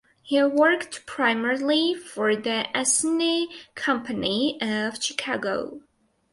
He worked primarily for the Essanay Company of Chicago.